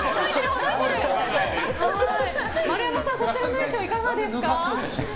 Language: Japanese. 丸山さん、こちらの衣装いかがですか？